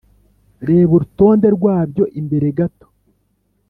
reba urutonde rwabyo imbere gato.